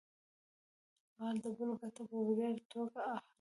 غل د بل ګټه په وړیا توګه اخلي